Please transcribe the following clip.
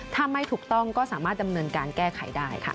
ถ้าไม่ถูกต้องก็สามารถดำเนินการแก้ไขได้ค่ะ